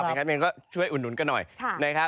อย่างนั้นก็ช่วยอุดหนุนกันหน่อย